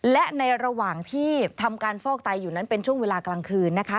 และในระหว่างที่ทำการฟอกไตอยู่นั้นเป็นช่วงเวลากลางคืนนะคะ